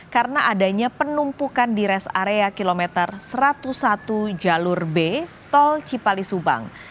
karena adanya penumpukan di res area kilometer satu ratus satu jalur b tol cipali subang